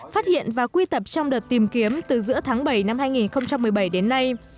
phát hiện và quy tập trong đợt tìm kiếm từ giữa tháng bảy năm hai nghìn một mươi bảy đến nay